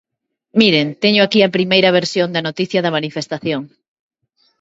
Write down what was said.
Miren, teño aquí a primeira versión da noticia da manifestación.